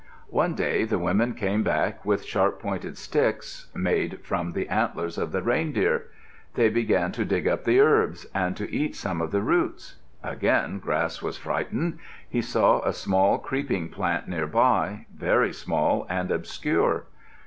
One day the women came back with sharp pointed picks, made from the antlers of the reindeer. They began to dig up the herbs and to eat some of the roots. Again Grass was frightened. He saw a small creeping plant nearby, very small and obscure.